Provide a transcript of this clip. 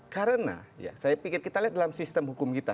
karena saya pikir kita lihat dalam sistem hukum kita